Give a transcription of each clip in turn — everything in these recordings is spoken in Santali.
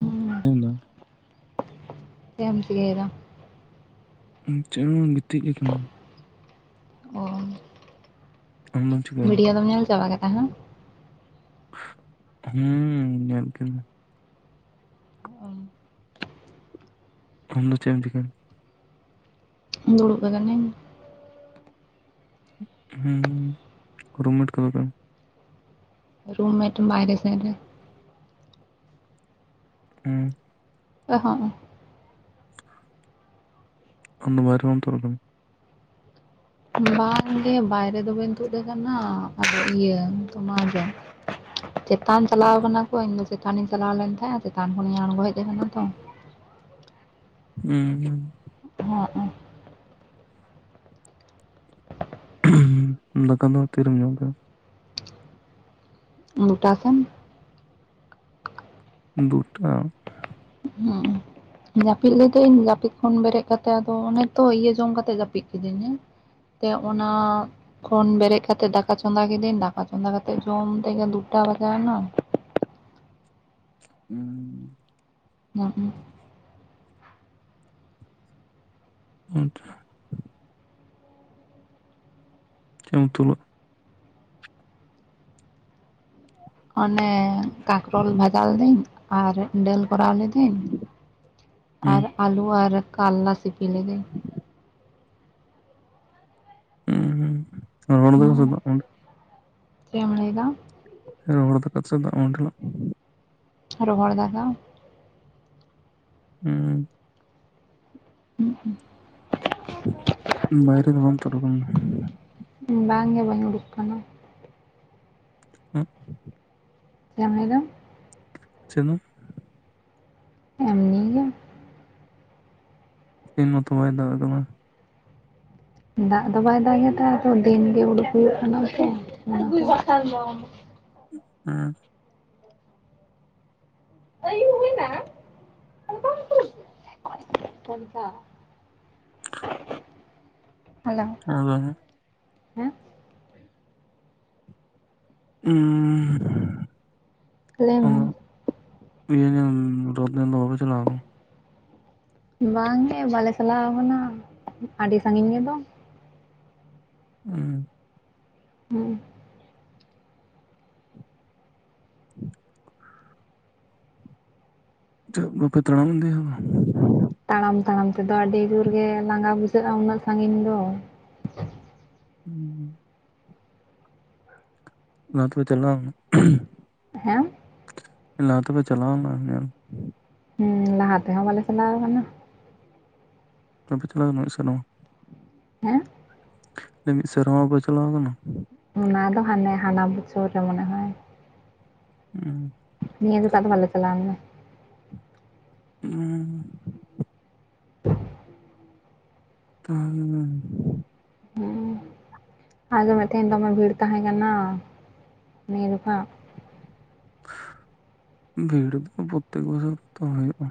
ᱦᱩᱸ᱾ ᱪᱮᱫ ᱦᱚᱸ ᱪᱮᱫ ᱮᱢ ᱪᱮᱠᱟᱭᱮᱫᱟ? ᱪᱮᱫ ᱦᱚᱸ ᱵᱟᱝ ᱜᱤᱛᱤᱡ ᱟᱠᱟᱱᱟᱹᱧ᱾ ᱚ᱾ ᱟᱫ ᱫᱚᱢ [unintelligible] ᱵᱷᱤᱰᱭᱳ ᱫᱚᱢ ᱧᱮᱞ ᱪᱟᱵᱟ ᱠᱮᱫᱟ, ᱦᱩᱸ? ᱦᱩᱸ ᱧᱮᱞ ᱠᱤᱫᱟᱹᱧ᱾ ᱟᱢ ᱫᱚ ᱪᱮᱫ ᱮᱢ ᱪᱤᱠᱟᱹᱭᱫᱟ? ᱫᱩᱲᱩᱵ ᱟᱠᱟᱱᱟᱹᱧ᱾ ᱦᱩᱸ, ᱨᱩᱢ ᱢᱮᱴ᱾ [inaudible] ᱨᱩᱢ ᱢᱮᱴ ᱵᱟᱭᱨᱮ ᱥᱮᱱ ᱨᱮ᱾ ᱚ᱾ [unintelligible] ᱟᱢ ᱫᱚ ᱵᱟᱭᱨᱮ ᱨᱮᱢ ᱛᱩᱫ ᱠᱟᱱᱟ? ᱵᱟᱝᱜᱮ ᱵᱟᱭᱨᱮ ᱫᱚ ᱵᱟᱹᱧ ᱛᱩᱫ ᱟᱠᱟᱱᱟ ᱟᱫᱚ ᱤᱭᱟᱹ [inaudible] ᱪᱮᱛᱟᱱ ᱪᱟᱞᱟᱣ ᱠᱟᱱᱟ ᱠᱚ ᱤᱧᱫᱚ ᱪᱮᱛᱟᱱᱤᱧ ᱪᱟᱞᱟᱣ ᱞᱮᱱ ᱛᱟᱦᱮᱸᱜ ᱟᱨ ᱪᱮᱛᱟᱱ ᱠᱷᱚᱱᱤᱧ ᱟᱬᱜᱚ ᱦᱮᱡ ᱟᱠᱟᱱᱟ ᱛᱚ᱾ ᱩᱸ ᱩᱸ᱾ ᱦᱚᱸᱜᱼᱚ᱾ ᱫᱟᱠᱟ ᱫᱚ ᱛᱤᱨᱮᱢ ᱡᱚᱢ ᱠᱮᱫᱟ? ᱫᱩᱴᱟ ᱥᱮᱱ᱾ ᱫᱩᱴᱟ? ᱦᱩᱸ ᱩᱸ᱾ ᱡᱟᱹᱯᱤᱫ ᱞᱤᱫᱟᱹᱧ ᱡᱟᱹᱯᱤᱫ ᱠᱷᱚᱱ ᱵᱮᱨᱮᱫ ᱠᱟᱛᱮ ᱟᱫᱚ ᱚᱱᱮ ᱛᱚ ᱤᱭᱟᱹ ᱡᱚᱢ ᱠᱟᱛᱮᱜ ᱡᱟᱹᱯᱤᱫ ᱠᱤᱫᱟᱹᱧ, ᱦᱮᱸ᱾ ᱛᱮ ᱚᱱᱟ ᱠᱷᱚᱱ ᱵᱮᱨᱮᱫ ᱠᱟᱛᱮᱜ ᱫᱟᱠᱟ ᱪᱚᱸᱫᱟ ᱠᱤᱫᱟᱹᱧ ᱫᱟᱠᱟ ᱪᱚᱸᱫᱟ ᱠᱟᱛᱮᱜ ᱡᱚᱢ ᱛᱮᱜᱮ ᱫᱩᱴᱟ ᱵᱟᱡᱟᱣ ᱮᱱᱟ᱾ ᱩᱸ᱾ [unintelligible] [inaudible] ᱪᱮᱫ ᱮᱢ ᱩᱛᱩ ᱞᱟᱜ-ᱟ? ᱚᱱᱮ ᱠᱟᱠᱨᱚᱞ ᱵᱷᱟᱡᱟ ᱞᱤᱫᱟᱹᱧ ᱟᱨ ᱰᱟᱹᱞ ᱠᱚᱨᱟᱣ ᱞᱤᱫᱟᱹᱧ᱾ ᱦᱩᱸ ᱟᱨ ᱟᱹᱞᱩ ᱟᱨ ᱠᱟᱞᱞᱟ ᱥᱤᱯᱤ ᱞᱤᱫᱟᱹᱧ᱾ ᱩᱸ ᱨᱚᱦᱚᱲ ᱫᱟᱠᱟ ᱥᱮ ᱦᱩᱸ ᱫᱟᱜ ᱢᱟᱰᱤ᱾ ᱪᱮᱫ ᱮᱢ ᱞᱟᱹᱭᱫᱟ? ᱨᱚᱦᱚᱲ ᱫᱟᱠᱟ ᱥᱮ ᱫᱟᱜ ᱢᱟᱰᱤ? ᱨᱚᱦᱚᱲ ᱫᱟᱠᱟ᱾ ᱩᱸ᱾ [inaudible] ᱵᱟᱭᱨᱮ ᱫᱚ ᱵᱟᱢ ᱛᱩᱫ ᱠᱟᱱ ᱫᱚ? ᱵᱟᱝᱜᱮ ᱵᱟᱹᱧ ᱩᱰᱩᱠ ᱠᱟᱱᱟ᱾ [inaudible] ᱪᱮᱫ ᱮᱢ ᱞᱟᱹᱭᱫᱟᱢ? [inaudible] ᱮᱢᱱᱤ ᱜᱮ᱾ ᱫᱤᱱ ᱢᱚᱛᱚ ᱵᱟᱭ [inaudible] ᱫᱟᱜ ᱫᱚ ᱵᱟᱭ ᱫᱟᱜᱮᱜᱟ ᱟᱫᱚ ᱫᱤᱱ ᱜᱮ ᱩᱰᱩᱠ ᱦᱩᱭᱩᱜ ᱠᱟᱱᱟ ᱥᱮ ᱚᱱᱟᱠᱚ᱾ ᱦᱮᱸ᱾ [inaudible] ᱦᱮᱞᱳ᱾ ᱦᱮᱸ ᱞᱟᱹᱭ ᱢᱮ᱾ ᱦᱮᱸ? ᱞᱟᱹᱭ ᱢᱮ [inaudible] ᱤᱭᱟᱹ ᱧᱮᱞ ᱨᱚᱛ ᱧᱮᱞ ᱫᱚ ᱵᱟᱯᱮ ᱪᱟᱞᱟᱣ ᱠᱟᱱᱟ? ᱵᱟᱝ ᱜᱮ ᱵᱟᱞᱮ ᱪᱟᱞᱟᱣ ᱠᱟᱱᱟ, ᱟᱹᱰᱤ ᱥᱟᱺᱜᱤᱧ ᱜᱮᱫᱚ᱾ ᱩᱸ᱾ ᱦᱩᱸ᱾ [inaudible] ᱪᱮᱫᱠᱟ ᱯᱮ ᱛᱟᱲᱟᱢ ᱤᱫᱤᱭᱟ᱾ ᱛᱟᱲᱟᱢ ᱛᱟᱲᱟᱢ ᱛᱮᱫᱚ ᱟᱰᱤ ᱡᱩᱨ ᱜᱮ ᱞᱟᱸᱜᱟ ᱵᱩᱡᱷᱟᱹᱜ-ᱟ, ᱩᱱᱟᱹᱜ ᱥᱟᱺᱜᱤᱧ ᱫᱚ᱾ ᱦᱩᱸ᱾ ᱚᱱᱟ ᱛᱮᱯᱮ ᱪᱟᱞᱟᱣᱱᱟ᱾ ᱦᱮᱸ᱾ ᱞᱟᱦᱟ ᱛᱮ ᱯᱮ ᱪᱟᱞᱟᱣᱱᱟ ᱧᱮᱞ᱾ ᱦᱮᱸ, ᱞᱟᱦᱟ ᱛᱮᱦᱚᱸ ᱵᱟᱞᱮ ᱪᱟᱞᱟᱣ ᱠᱟᱱᱟ᱾ ᱵᱟᱯᱮ ᱪᱟᱞᱟᱣ ᱠᱟᱱᱟ ᱢᱤᱫ ᱥᱮᱨᱢᱟ? ᱦᱮᱸ᱾ ᱢᱤᱱ ᱥᱮᱨᱢᱟ ᱯᱮ ᱪᱟᱞᱟᱣ ᱠᱟᱱᱟ? ᱚᱱᱟ ᱫᱚ ᱦᱟᱱᱮ ᱦᱟᱱᱟ ᱵᱚᱪᱷᱚᱨ ᱨᱮ ᱢᱚᱱᱮ ᱦᱚᱭ᱾ ᱦᱩᱸ᱾ ᱱᱤᱭᱟᱹ ᱡᱚᱠᱷᱟᱱ ᱫᱚ ᱵᱟᱞᱮ ᱪᱟᱞᱟᱣ ᱞᱮᱱᱟ ᱾ ᱦᱩᱸ᱾ [inaudible] [unintelligible] ᱦᱩᱸ᱾ ᱦᱩᱸ᱾ ᱟᱡᱚᱢᱮᱫ ᱛᱟᱦᱮᱧ ᱫᱚᱢᱮ ᱵᱷᱤᱲ ᱛᱟᱦᱮᱸ ᱠᱟᱱᱟ ᱱᱤᱭᱟᱹ ᱡᱚᱠᱷᱟᱜ᱾ ᱵᱷᱤᱲ ᱫᱚ ᱯᱨᱚᱛᱛᱮᱠ ᱵᱚᱪᱷᱚᱨ ᱜᱮᱛᱚ ᱦᱳᱭᱳᱜ-ᱟ᱾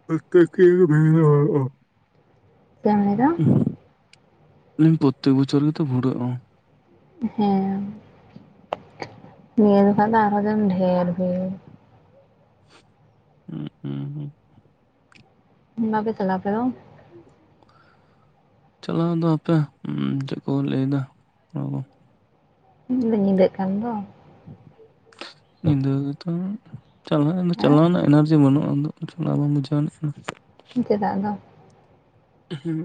[unintelligible] ᱪᱮᱜᱮᱢ ᱞᱟᱹᱭᱫᱟ? ᱞᱟᱹᱭ ᱫᱟᱹᱧ ᱯᱨᱚᱛᱛᱮᱠ ᱵᱚᱪᱷᱚᱨ ᱜᱮᱛᱚ ᱵᱷᱩᱲᱟᱹᱜ-ᱟ ᱾ ᱦᱮᱸ, ᱱᱤᱭᱟᱹ ᱡᱚᱠᱷᱟᱱ ᱫᱚ ᱟᱨᱦᱚᱸ ᱡᱮᱱ ᱰᱷᱮᱨ ᱜᱮ ᱾ ᱩᱸ, ᱩᱸ ᱦᱩᱸ ᱾ ᱵᱟᱯᱮ ᱪᱟᱞᱟᱜ-ᱟ ᱟᱯᱮ ᱫᱚ? ᱪᱟᱞᱟᱣ ᱫᱚ ᱦᱟᱯᱮ, ᱩᱸ ᱪᱮᱫ ᱠᱚ ᱞᱟᱹᱭ ᱮᱫᱟ ᱠᱚᱲᱟ ᱠᱚ ᱾ [unintelligible] ᱧᱤᱫᱟᱹᱜ ᱠᱟᱱ ᱫᱚ ᱾ ᱧᱤᱫᱟᱹ ᱜᱮᱛᱚ ᱪᱟᱞᱟᱜ ᱦᱮᱸ ᱪᱟᱞᱟᱣ ᱨᱮᱱᱟᱜ ᱮᱱᱟᱨᱡᱤ ᱵᱟᱹᱱᱩᱜ-ᱟ, ᱩᱱᱟᱹᱜ ᱾ ᱪᱟᱞᱟᱣ ᱵᱟᱝ ᱵᱩᱡᱷᱟᱹᱣ ᱟᱱᱤᱡ ᱠᱟᱱᱟ ᱾ ᱪᱮᱫᱟᱜ ᱫᱚ? ᱦᱩᱸ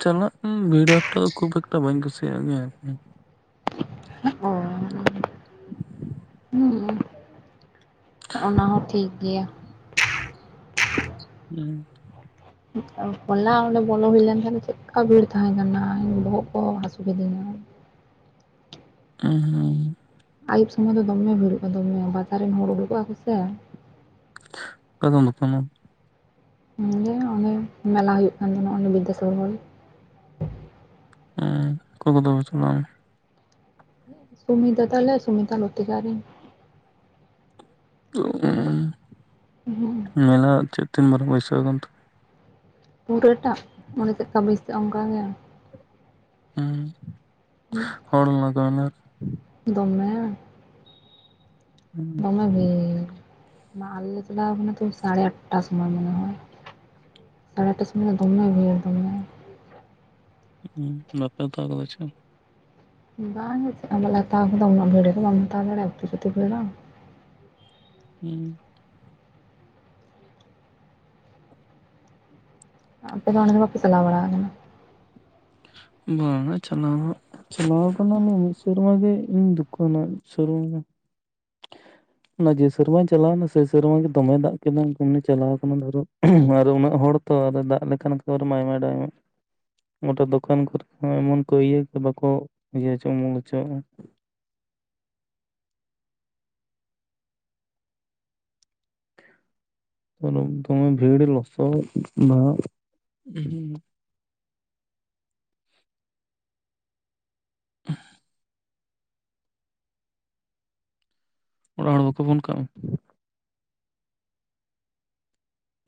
ᱪᱟᱞᱟᱜ ᱵᱷᱤᱲᱳ ᱮᱠᱴᱟ ᱠᱷᱩᱵ ᱮᱠᱴᱟ ᱵᱟᱹᱧ ᱠᱩᱥᱤᱭᱟᱜ ᱜᱮᱭᱟ ᱟᱨᱠᱤ ᱾ ᱚᱻ, ᱦᱩᱸ᱾ ᱚᱱᱟ ᱦᱚᱸ ᱴᱷᱤᱠ ᱜᱮᱭᱟ ᱾ ᱦᱩᱸ ᱾ ᱦᱚᱞᱟ ᱚᱸᱰᱮ ᱵᱚᱞᱚ ᱦᱩᱭ ᱞᱮᱱ ᱛᱟᱦᱮᱸ, ᱪᱮᱫᱠᱟ ᱵᱷᱤᱲ ᱛᱟᱦᱮᱸ ᱠᱟᱱᱟ ᱵᱚᱦᱚᱜ ᱠᱚ ᱦᱟᱹᱥᱩ ᱠᱤᱫᱤᱧᱟ ᱾ ᱩᱸᱦᱩᱸ ᱾ ᱟᱹᱭᱩᱵ ᱥᱚᱢᱚᱭ ᱫᱚ ᱫᱚᱢᱮ ᱵᱷᱤᱲᱚᱜ-ᱟ ᱫᱚᱢᱮ, ᱵᱟᱡᱟᱨ ᱨᱮᱱ ᱦᱚᱲ ᱩᱰᱩᱠᱚᱜ-ᱟ ᱠᱚᱥᱮ ᱾ ᱟᱫᱚ ᱱᱚᱛᱮ ᱢᱟ ᱜᱮ ᱚᱱᱮ ᱢᱮᱞᱟ ᱦᱩᱭᱩᱜ ᱠᱟᱱ ᱛᱟᱦᱮᱱᱚᱜ ᱚᱱᱰᱮ ᱵᱤᱫᱽᱫᱟᱥᱚᱨ ᱚᱸᱻ ᱚᱠᱚᱭ ᱠᱚᱫᱚ ᱯᱮ ᱪᱟᱞᱟᱣ ᱞᱮᱱᱟ? ᱥᱩᱢᱤᱛᱟ ᱛᱟᱞᱮ, ᱥᱩᱢᱤᱛᱟ ᱞᱩᱛᱤᱠᱟ ᱟᱨ ᱤᱧ ᱾ ᱚᱸᱻ᱾ [unintelligible] ᱢᱮᱞᱟ ᱪᱮᱫ ᱛᱤᱱ ᱢᱟᱨᱟᱝ ᱵᱟᱹᱭᱥᱟᱹᱣ ᱠᱟᱱ ᱛᱮ? ᱯᱩᱨᱟ ᱴᱟᱜ ᱢᱚᱱᱮ ᱪᱮᱫᱠᱟ ᱢᱮᱥ ᱚᱱᱠᱟ ᱜᱮ᱾ ᱦᱩᱸ ᱦᱚᱲ᱾ [unintelligible] ᱫᱚᱢᱮ, ᱫᱚᱢᱮ ᱵᱷᱤᱲ ᱾ ᱢᱟ ᱟᱞᱮ ᱪᱟᱞᱟᱣ ᱠᱟᱱᱟ ᱛᱚ ᱥᱟᱲᱮ ᱟᱴᱴᱟ ᱥᱚᱢᱚᱭ ᱢᱚᱱᱮ ᱦᱚᱭ᱾ ᱥᱟᱲᱮ ᱟᱴᱴᱟ ᱥᱚᱢᱚᱭ ᱫᱚᱢᱮ ᱵᱷᱤᱲ ᱫᱚᱢᱮ᱾ [unintelligible] ᱵᱟᱝᱟ ᱪᱮᱫ ᱦᱚ ᱵᱟᱞᱮ ᱦᱟᱛᱟᱣ ᱠᱟᱫᱟ ᱩᱱᱟᱹᱜ ᱵᱷᱤᱲ ᱨᱮ ᱫᱚ ᱵᱟᱢ ᱦᱟᱛᱟᱣ ᱫᱟᱲᱮᱜᱼᱟ ᱩᱛᱤ ᱥᱩᱛᱤ ᱵᱷᱤᱲᱟ᱾ ᱦᱩᱸ᱾ ᱟᱯᱮ ᱫᱚ ᱚᱸᱰᱮ ᱫᱚ ᱵᱟᱯᱤ ᱪᱟᱞᱟᱣ ᱵᱟᱲᱟᱣ ᱠᱟᱱᱟ? ᱵᱟᱝᱟ ᱪᱟᱞᱟᱣ ᱦᱟᱸᱜ ᱪᱟᱞᱟᱣ ᱠᱟᱱᱟᱞᱮ ᱢᱤᱫ ᱥᱮᱨᱢᱟ ᱜᱮ ᱤᱧ ᱫᱚᱠᱟᱱᱟ᱾ [unintelligible] ᱚᱱᱟ ᱡᱮ ᱥᱮᱨᱢᱟᱧ ᱪᱟᱞᱟᱣ ᱱᱟ ᱥᱮ ᱥᱮᱨᱢᱟ ᱜᱮ ᱫᱚᱢᱮ ᱫᱟᱜ ᱠᱮᱫᱟ ᱪᱟᱞᱟᱣ ᱟᱠᱟᱱᱟ ᱫᱷᱚᱨᱚ ᱟᱨ ᱩᱱᱟᱹᱜ ᱦᱚᱲ ᱛᱚ ᱟᱫᱚ ᱫᱟᱜ ᱞᱮᱠᱷᱟᱱ ᱚᱱᱠᱟ ᱟᱠᱨᱮᱱ ᱟᱭᱢᱟ ᱰᱚᱭᱢᱟ ᱜᱚᱴᱟ ᱫᱚᱠᱟᱱ ᱠᱚᱨᱮ ᱦᱚᱸ ᱮᱢᱚᱱ ᱠᱚ ᱤᱭᱟᱹ ᱵᱟᱠᱚ ᱤᱭᱟᱹ ᱚᱪᱚ ᱩᱢᱩᱞ ᱦᱚᱪᱚᱣᱟᱜᱼᱟ ᱾ [unintelligible] ᱫᱚᱢᱮ ᱵᱷᱤᱲ ᱞᱚᱥᱚᱫ ᱚᱱᱟ ᱦᱚᱸ [unintelligible] ᱚᱲᱟᱜ ᱦᱚᱲ ᱵᱟᱠᱚ ᱯᱷᱳᱱ ᱠᱟᱜ ᱢᱮᱛᱮ?